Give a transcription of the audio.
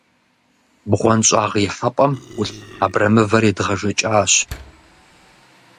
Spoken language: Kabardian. БгъуэнщӀагъ ихьэпӀэм Ӏулъ абрэмывэр едгъэжэкӏащ.